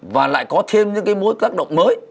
và lại có thêm những mối tác động mới